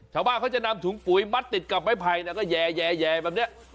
ชาวบ้านเขาจะนำถุงปุ๋ยมัดติดกับไม้ไผ่แล้วก็แย่แบบนี้